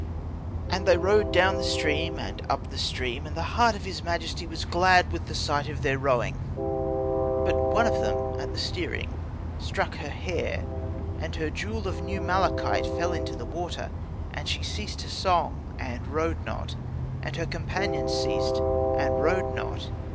"And they rowed down the stream and up the stream, and the heart of his majesty was glad with the sight of their rowing. But one of them at the steering struck her hair, and her jewel of new malachite fell into the water. And she ceased her song, and rowed not; and her companions ceased, and rowed not.